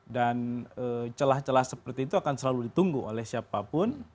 dan celah celah seperti itu akan selalu ditunggu oleh siapapun